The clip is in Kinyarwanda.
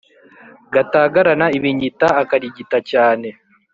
gatagarana ibinyita akarigita cyane